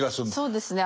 そうですね。